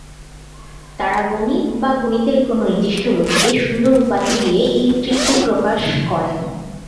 তারা গণিত বা গণিতের কোন নির্দিষ্ট রূপকে "সুন্দর" উপাধি দিয়ে এই তৃপ্তি প্রকাশ করেন।